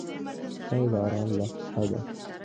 چای د آرام لمحه ده.